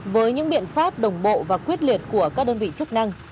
với những biện pháp đồng bộ và quyết liệt của các đơn vị chức năng